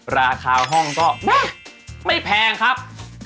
ราคาห้องก็ไม่แพงครับ